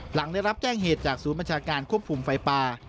หลังได้รับแจ้งเหตุจากศูนย์บัญชาการควบคุมไฟป่า